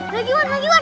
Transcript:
lagi wan lagi wan